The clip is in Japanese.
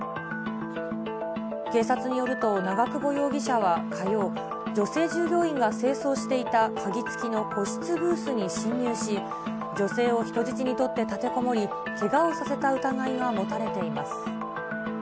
警察によると、長久保容疑者は火曜、女性従業員が清掃していた鍵付きの個室ブースに侵入し、女性を人質に取って立てこもり、けがをさせた疑いが持たれています。